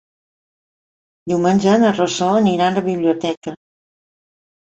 Diumenge na Rosó anirà a la biblioteca.